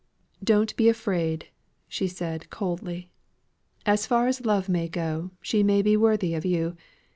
"Don't be afraid," she said, coldly. "As far as love may go she may be worthy of you.